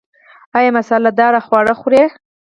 ایا مساله داره خواړه خورئ؟